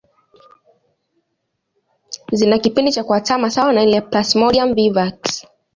Zina kipindi cha kuatama sawa na ile ya Plasmodium vivax